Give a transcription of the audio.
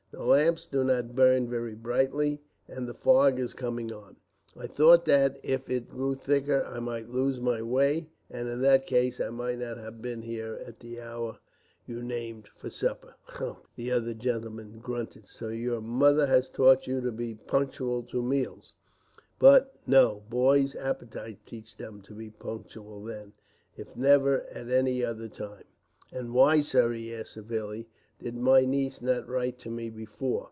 The lamps do not burn very brightly, and the fog is coming on. I thought that, if it grew thicker, I might lose my way, and in that case I might not have been in at the hour you named for supper." "Humph!" the other gentleman grunted. "So your mother has taught you to be punctual to meals. But, no; boys' appetites teach them to be punctual then, if never at any other time. "And why, sir?" he asked severely, "Did my niece not write to me before?"